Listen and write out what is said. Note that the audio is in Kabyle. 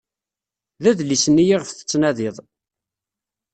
D adlis-nni iɣef tettnadiḍ.